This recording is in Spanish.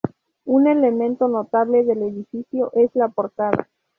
Un elemento notable del edificio es la portada.